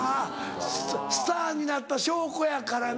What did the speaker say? スターになった証拠やからな。